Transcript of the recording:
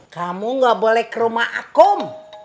kamu gak boleh ke rumah akom